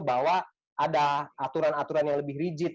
bahwa ada aturan aturan yang lebih rigid